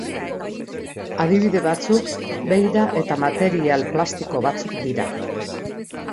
Adibide batzuk beira eta material plastiko batzuk dira.